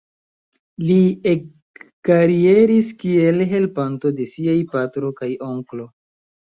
Li ekkarieris kiel helpanto de siaj patro kaj onklo.